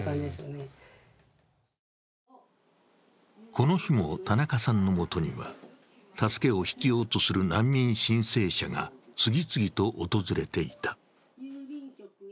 この日も田中さんのもとには助けを必要とする難民申請者が次々と訪れていた。